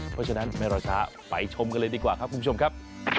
เพราะฉะนั้นไม่รอช้าไปชมกันเลยดีกว่าครับคุณผู้ชมครับ